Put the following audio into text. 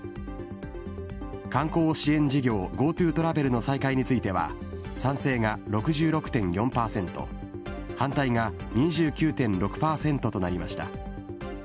観光支援事業、ＧｏＴｏトラベルの再開については、賛成が６６．４％反対が２９．６％となりました。